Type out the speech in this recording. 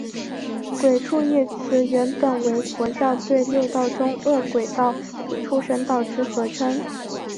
鬼畜一词原本为佛教对六道中饿鬼道与畜生道之合称。